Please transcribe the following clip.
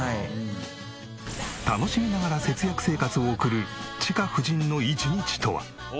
楽しみながら節約生活を送るチカ婦人の一日とは？